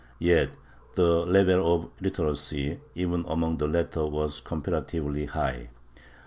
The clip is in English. Yet the level of literacy even among the latter was comparatively high.